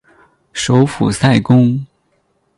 首府塞公。